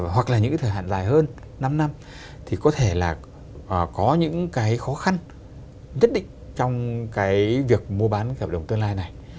hoặc là những cái thời hạn dài hơn năm năm thì có thể là có những cái khó khăn nhất định trong cái việc mua bán cái hợp đồng tương lai này